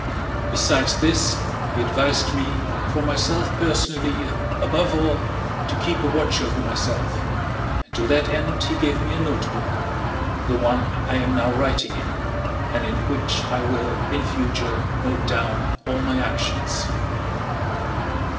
Besides this he advised me for myself personally above all to keep a watch over myself, and to that end he gave me a notebook, the one I am now writing in and in which I will in future note down all my actions.